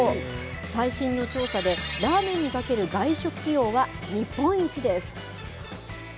最新の調査で、ラーメンにかける外食費用は日本一です。